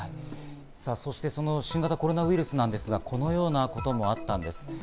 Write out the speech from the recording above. そして、その新型コロナウイルスですが、このようなこともあったんです。